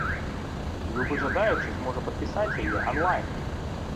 Любы жадаючы зможа падпісаць яе анлайн.